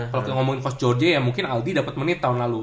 kalau kita ngomongin coach george ya mungkin aldi dapet menit tahun lalu